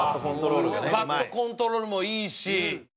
バットコントロールもいいし。